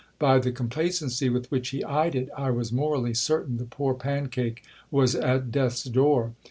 By the complacency with which he eyed it I was morally certain the poor pancake was at death's door.